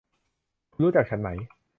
คุณรู้จักฉันไหม